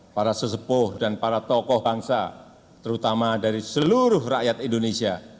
para sesepuh dan para tokoh bangsa terutama dari seluruh rakyat indonesia